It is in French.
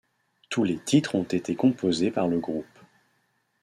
Tous les titres ont été composés par le groupe.